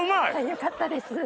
よかったです。